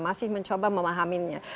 masih mencoba memahaminya